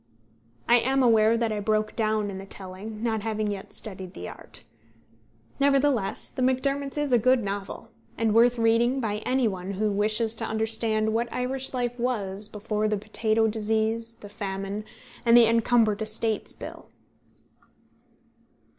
I am aware that I broke down in the telling, not having yet studied the art. Nevertheless, The Macdermots is a good novel, and worth reading by any one who wishes to understand what Irish life was before the potato disease, the famine, and the Encumbered Estates Bill.